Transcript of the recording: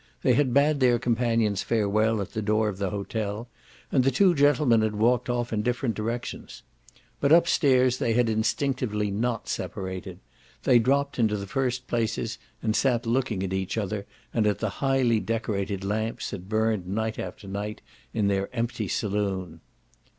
They had bade their companions farewell at the door of the hotel and the two gentlemen had walked off in different directions. But upstairs they had instinctively not separated; they dropped into the first places and sat looking at each other and at the highly decorated lamps that burned night after night in their empty saloon.